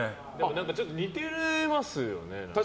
ちょっと似てますよね。